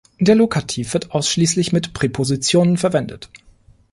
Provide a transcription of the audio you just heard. Der Lokativ wird ausschließlich mit Präpositionen verwendet.